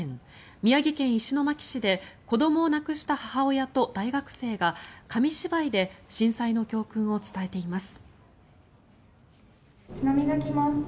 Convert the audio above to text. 宮城県石巻市で子どもを亡くした母親と大学生が紙芝居で震災の教訓を伝えています。